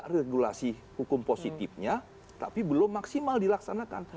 regulasi hukum positifnya tapi belum maksimal dilaksanakan